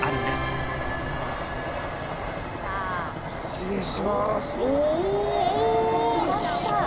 失礼しますお！